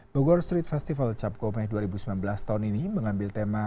bogor street festival cap gome dua ribu sembilan belas tahun ini mengambil tema